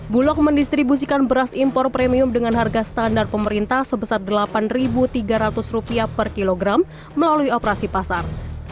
bulog mendistribusikan beras impor premium dengan harga standar pemerintah sebesar rp delapan tiga ratus per kilogram melalui operasi pasar